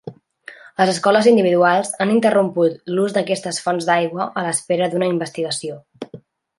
Les escoles individuals han interromput l'ús d'aquestes fonts d'aigua a l'espera d'una investigació.